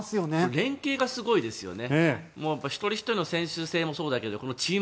連係がすごいですよね。